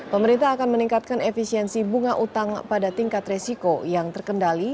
pemerintah akan meningkatkan efisiensi bunga utang pada tingkat resiko yang terkendali